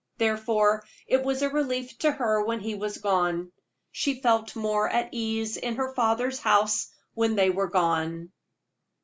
Therefore it was a relief to her when he was gone. She felt more at ease in her father's house when they were gone.